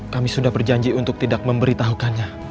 kami sudah berjanji untuk tidak memberitahukannya